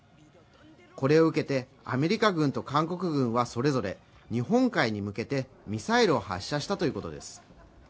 これを受けてアメリカ軍と韓国軍はそれぞれ日本海に向けてミサイルを発射したということです